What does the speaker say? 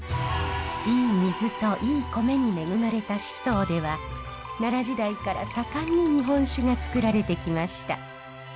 いい水といい米に恵まれた宍粟では奈良時代から盛んに日本酒がつくられてきました。